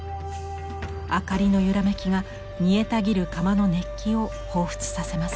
明かりの揺らめきが煮えたぎる釜の熱気をほうふつさせます。